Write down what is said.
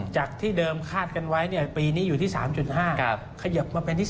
จากที่เดิมคาดกันไว้ปีนี้อยู่ที่๓๕ขยิบมาเป็นที่๒